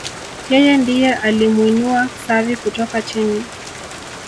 yeye ndiye alimwinua Xavi kutoka chini